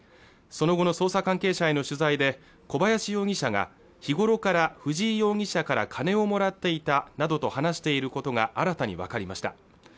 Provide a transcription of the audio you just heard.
その後の捜査関係者への取材で小林容疑者が日頃から藤井容疑者から金をもらっていたなどと話していることが新たに分かりました